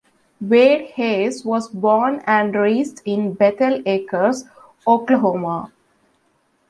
Wade Hayes was born and raised in Bethel Acres, Oklahoma.